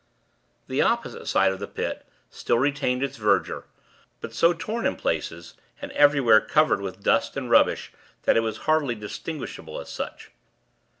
The opposite side of the Pit, still retained its verdure; but so torn in places, and everywhere covered with dust and rubbish, that it was hardly distinguishable as such.